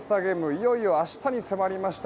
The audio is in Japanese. いよいよ明日に迫りました。